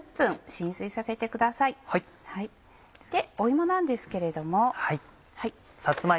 芋なんですけれども。